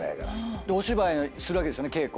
でお芝居するわけですよね稽古。